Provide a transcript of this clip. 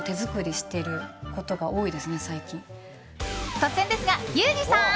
突然ですが、ユージさん。